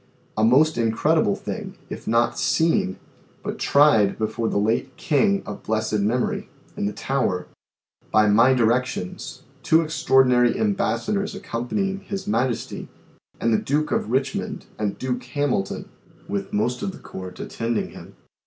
A most in credible thing, if not seen, but tried before the late king (of blessed memory) in the Tower, by my directions, two Extraordinary Embassadors accompanying His Majesty, and the Duke of Richmond and Duke Hamilton, with most of the Court, attending Him.